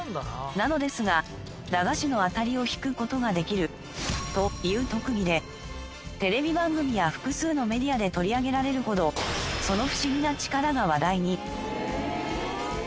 なのですが駄菓子のあたりを引く事ができるという特技でテレビ番組や複数のメディアで取り上げられるほどそのフシギな力が話題に。